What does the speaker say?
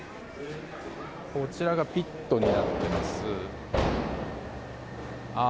こちらがピットになっています。